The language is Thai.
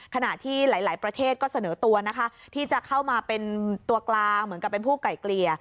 ขณะที่หลายประเทศก็เสนอตัวนะคะที่จะเข้ามาเป็นตัวกลางเหมือนกับเป็นผู้ไก่เกลี่ย